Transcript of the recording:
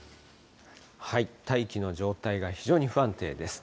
大気の状態が非常に不安定です。